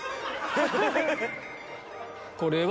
これは。